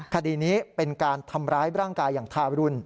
คดีนี้เป็นการทำร้ายร่างกายอย่างทารุณ